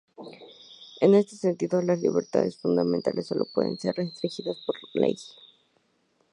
En ese sentido, las libertades fundamentales sólo pueden ser restringidas por ley.